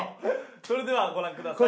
それではご覧ください。